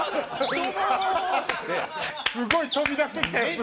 すごい飛び出してきたヤツ。